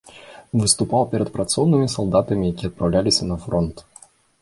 Выступаў перад працоўнымі, салдатамі, якія адпраўляліся на фронт.